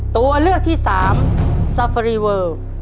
ตัวเลือกที่สามซาฟารีเวอร์